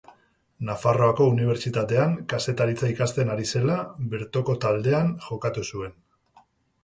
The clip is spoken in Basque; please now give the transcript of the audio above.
Nafarroako Unibertsitatean kazetaritza ikasten ari zela, bertoko taldean jokatu zuen.